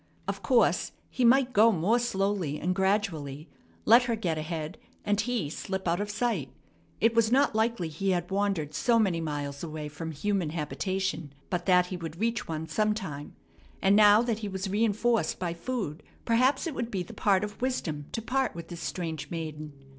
Of course he might go more slowly and gradually, let her get ahead, and he slip out of sight. It was not likely he had wandered so many miles away from human habitation but that he would reach one sometime; and, now that he was re enforced by food, perhaps it would be the part of wisdom to part with this strange maiden.